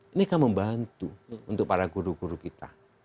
ini akan membantu untuk para guru guru kita